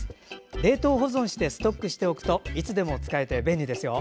冷凍保存してストックしておくといつでも使えて便利ですよ。